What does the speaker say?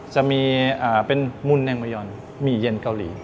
จะมีเป็นมุนแองมายอนหมี่เย็นเกาหลี